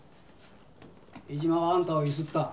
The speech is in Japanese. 江島はあんたを強請った。